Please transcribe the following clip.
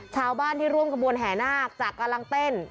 ชาวบ้านที่ร่วมขบวนแห่นาคจากกำลังเต้น